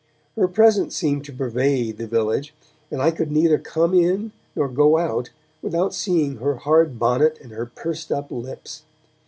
Her presence seemed to pervade the village, and I could neither come in nor go out without seeing her hard bonnet and her pursed up lips.